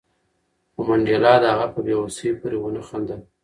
خو منډېلا د هغه په بې وسۍ پورې ونه خندل.